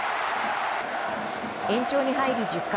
延長に入り１０回。